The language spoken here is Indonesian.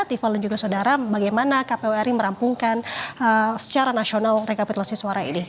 tiffel dan juga saudara bagaimana kpu ri merampungkan secara nasional rekapitulasi suara ini